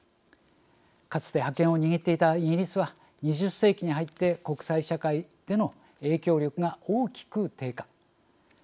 かつて覇権を握っていたイギリスは２０世紀に入って国際社会での影響力が大きく低下。